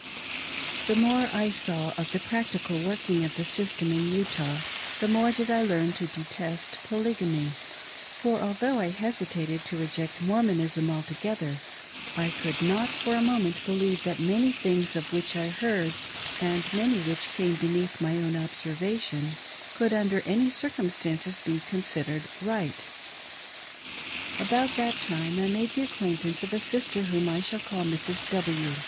THE more I saw of the practical working of the system in Utah, the more did I learn to detest Polygamy; for although I hesitated to reject Mormonism altogether, I could not for a moment believe that many things of which I heard, and many which came beneath my own observation, could under any circumstances be considered right. About that time, I made the acquaintance of a sister whom I shall call Mrs. W